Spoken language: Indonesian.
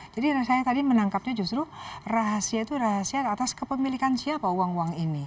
jadi saya tadi menangkapnya justru rahasia itu rahasia atas kepemilikan siapa uang uang ini